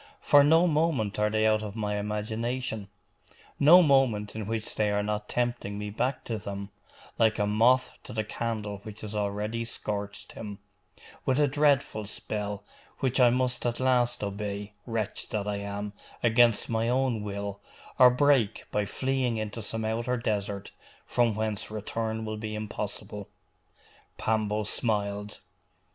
for no moment are they out of my imagination, no moment in which they are not tempting me back to them, like a moth to the candle which has already scorched him, with a dreadful spell, which I must at last obey, wretch that I am, against my own will, or break by fleeing into some outer desert, from whence return will be impossible!' Pambo smiled.